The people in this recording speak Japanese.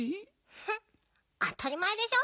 フンあたりまえでしょ。